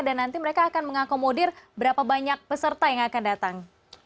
dan nanti mereka akan mengakomodir berapa banyak peserta yang akan datang